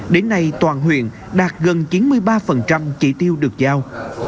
đến nay toàn huyện đạt gần chín mươi ba chỉ tiêu được giao